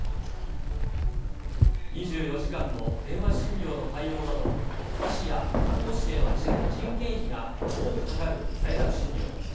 ２４時間の電話診療の対応など、医師や看護師への人件費が多くかかる在宅診療。